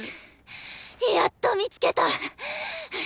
やっと見つけた！